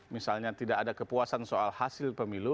misalnya tidak ada kepuasan soal hasil pemilu